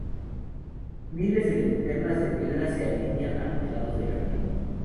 Miles de linternas de piedra se alinean a los lados del camino.